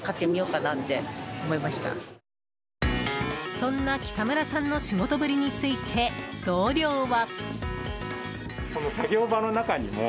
そんな北村さんの仕事ぶりについて同僚は。